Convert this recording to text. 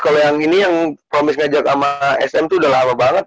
kalo yang ini yang promis ngajak sama sm tuh udah lama banget